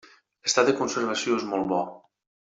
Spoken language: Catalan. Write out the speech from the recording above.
L'estat de conservació és molt bo.